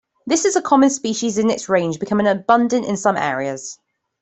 This is a common species in its range, becoming abundant in some areas.